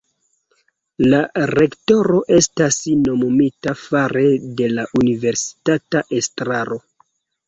La rektoro estas nomumita fare de la universitata estraro.